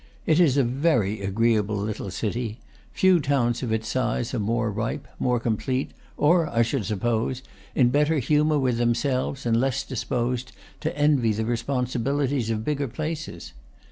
It is a very agreeable little city; few towns of its size are more ripe, more complete, or, I should suppose, in better humor with themselves and less disposed to envy the responsibili ties of bigger places.